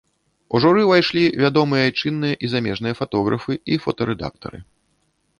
У журы ўвайшлі вядомыя айчынныя і замежныя фатографы і фотарэдактары.